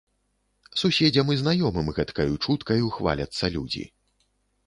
Суседзям і знаёмым гэткаю чуткаю хваляцца людзі.